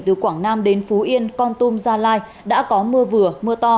từ quảng nam đến phú yên con tum gia lai đã có mưa vừa mưa to